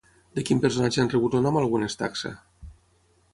De quin personatge han rebut el nom algunes taxa?